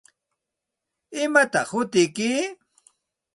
¿Imataq hutiyki?